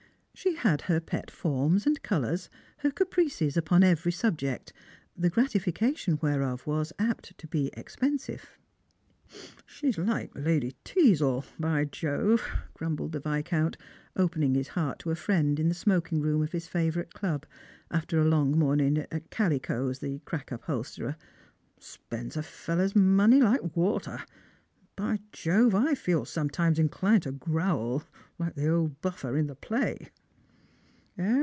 She had her pet forms and colours, her caprices upon every subject, the gratification whereof was apt to be expensive. " She's like Lady Teazle, by Jove," grumbled the Yiscount, opening his heart to a friend in the smoking room of his fa vourite club, after a lo.ng morning at Kaliko's, the crack uphol terer; "spends a fellow's money like water; and, by Jove, I feel sometimes inclined to growl, like the old buffer in the play."